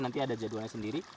nanti ada jadwalnya sendiri